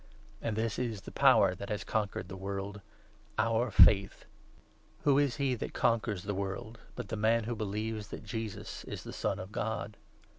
And this is the power that has conquered the world — our faith ! Who is he that conquers the world but 5 the man who believes that Jesus is the Son of God